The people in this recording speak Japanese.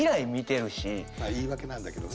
まあ言い訳なんだけどね。